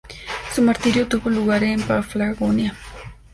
Su martirio tuvo lugar en Paflagonia.